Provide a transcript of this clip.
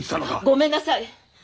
ごめんなさい。